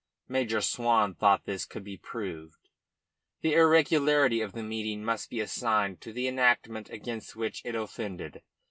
Major Swan thought this could be proved. The irregularity of the meeting must be assigned to the enactment against which it offended.